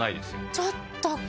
ちょっと。